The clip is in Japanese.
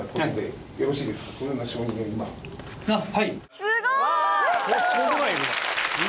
すごーい